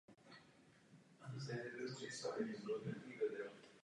Byl vyhlášen "Akt povstání litevského národa".